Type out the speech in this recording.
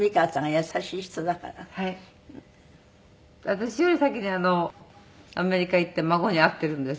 私より先にアメリカ行って孫に会っているんです。